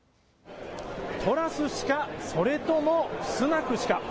トラス氏か、それともスナク氏か。